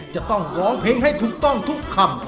จะต้องร้องเพลงให้ถูกต้องทุกคำ